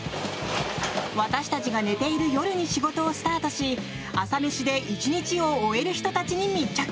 私たちが寝ている夜に仕事をスタートし朝メシで１日を終える人たちに密着！